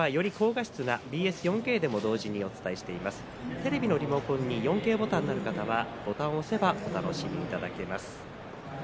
テレビのリモコンに４Ｋボタンがある方は４Ｋボタンを押せばお楽しみいただけます。